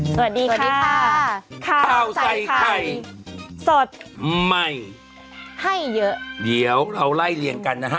สวัสดีค่ะข้าวใส่ไข่สดใหม่ให้เยอะเดี๋ยวเราไล่เลี่ยงกันนะฮะ